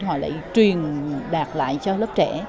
họ lại truyền đạt lại cho lớp trẻ